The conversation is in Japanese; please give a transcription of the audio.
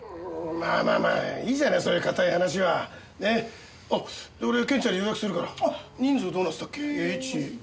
まあまあまあいいじゃないそういう堅い話はねえ。あっじゃあ俺けんちゃんに予約するから人数どうなってたっけ？